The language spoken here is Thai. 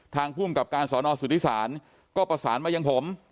ภูมิกับการสอนอสุทธิศาลก็ประสานมายังผม